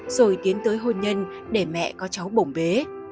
rồi tiến tới hôn nhân để mẹ có cháu bổng bế